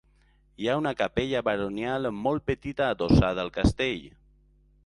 Hi ha una capella baronial molt petita adossada al castell.